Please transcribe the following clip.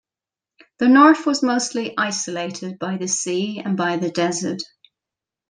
The north was mostly isolated by the sea and by the desert.